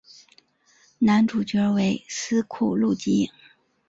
男主角为斯库路吉。